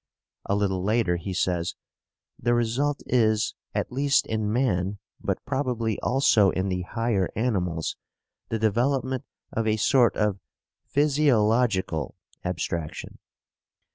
A little later he says: "The result is at least in man, but probably also in the higher animals the development of a sort of PHYSIOLOGICAL abstraction.